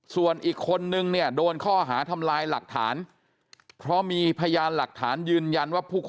ส่วนอีกคนนึงเนี่ยโดนข้อหาทำลายหลักฐานเพราะมีพยานหลักฐานยืนยันว่าผู้